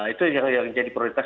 itu yang menjadi prioritas